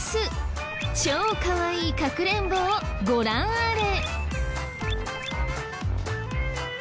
超かわいいかくれんぼをご覧あれ！